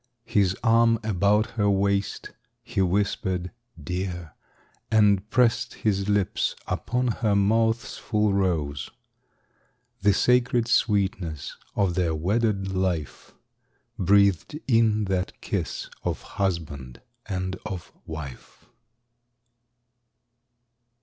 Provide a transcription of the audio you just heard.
His arm about her waist, he whispered "Dear," And pressed his lips upon her mouth's full rose— The sacred sweetness of their wedded life Breathed in that kiss of husband and of wife.